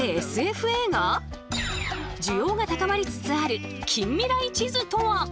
需要が高まりつつある近未来地図とは！？